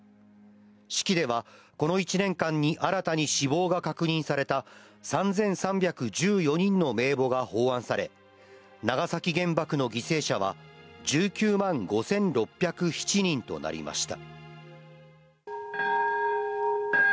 式では、この１年間に新たに死亡が確認された３３１４人の名簿が奉安され、長崎原爆の犠牲者は、１９万５６０７人となりました。